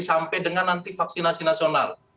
sampai dengan nanti vaksinasi nasional